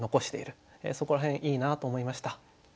そこら辺いいなと思いました。